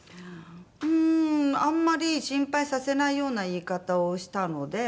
うーんあんまり心配させないような言い方をしたので。